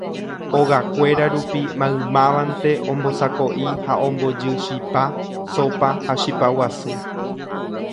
ogakuéra rupi maymávante ombosako'i ha ombojy chipa, sópa ha chipa guasu.